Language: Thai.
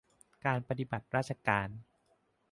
การปฏิบัติราชการ